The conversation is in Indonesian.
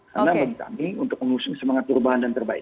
karena bagi kami untuk mengusung semangat perubahan dan perubahan